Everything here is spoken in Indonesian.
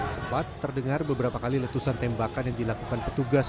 sempat terdengar beberapa kali letusan tembakan yang dilakukan petugas